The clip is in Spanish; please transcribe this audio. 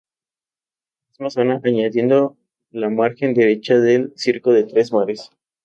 La misma zona, añadiendo la margen derecha del circo de Tres Mares.